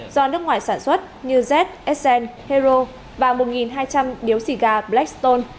do nước ngoài sản xuất như z sn hero và một hai trăm linh điếu xì gà blackstone